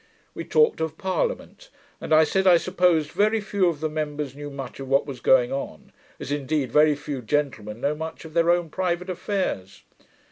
We talked of Parliament; and I said, I supposed very few of the members knew much of what was going on, as indeed very few gentlemen know much of their own private affairs.